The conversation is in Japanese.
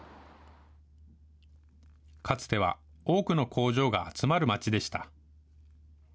かつては多くの工場が集まる街でした。